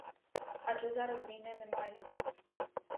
Адже зараз війни немає.